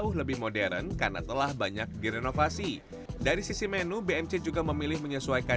hindia belanda terhadap indonesia